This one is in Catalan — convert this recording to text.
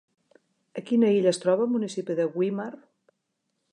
En quina illa es troba el municipi de Güímar?